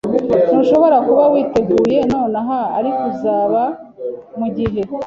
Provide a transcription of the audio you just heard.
Ntushobora kuba witeguye nonaha, ariko uzaba, mugihe.